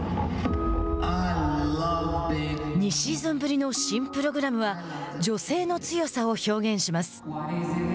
２シーズンぶりの新プログラムは「女性の強さ」を表現します。